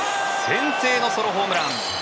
先制のソロホームラン！